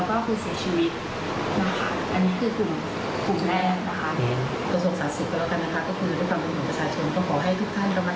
ก็คือภารกิจของประชาชนก็ขอให้ทุกท่านระมัดระวัง